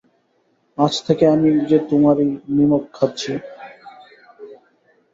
আজ থেকে আমি যে তোমারই নিমক খাচ্ছি।